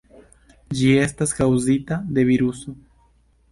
Ĝi estas kaŭzita de viruso.